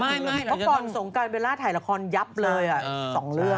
เพราะก่อนสงการเบลล่าถ่ายละครยับเลย๒เรื่อง